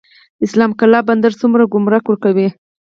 اسلام قلعه بندر څومره ګمرک ورکوي؟